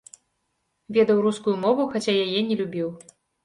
Ведаў рускую мову, хаця яе не любіў.